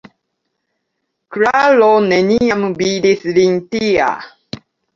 Klaro neniam vidis lin tia.